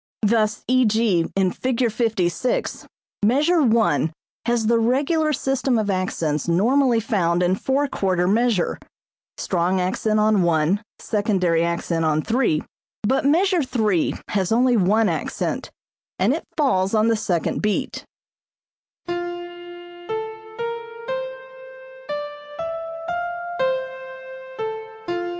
Thus e.g., in Fig. 56, measure one has the regular system of accents normally found in four quarter measure, (strong accent on one, secondary accent on three); but measure three has only one accent, and it falls on the second beat.